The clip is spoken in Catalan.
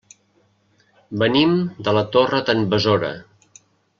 Venim de la Torre d'en Besora.